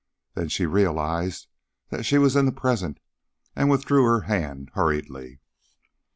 Then she realized that she was in the present, and withdrew her hand hurriedly.